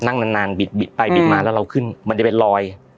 นั่งนานบิดบิดไปบิดมาแล้วเราขึ้นมันจะเป็นรอย